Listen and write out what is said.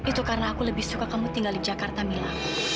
itu karena aku lebih suka kamu tinggal di jakarta mila